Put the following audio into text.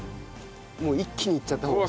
もう一気にいっちゃった方が。